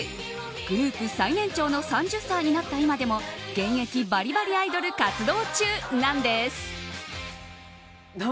グループ最年長の３０歳になった今でも現役バリバリアイドル活動中なんです。